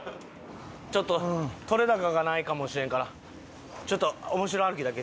ちょっと撮れ高がないかもしれんからちょっとおもしろ歩きだけ。